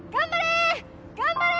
頑張れ！